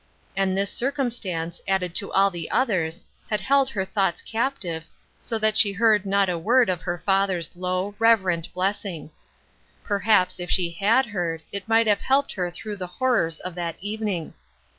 And this circumstance, added to all the others, had held her thoughts captive, so that she heard not a word of her father's low, rever ent blessing. Perhaps, if she had heard, it might have helped her through the horrors of that evening.